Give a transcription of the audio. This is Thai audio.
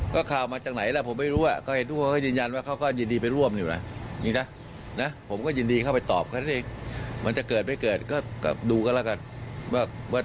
เป้าหมายหลักของฝ่ายค้านคือ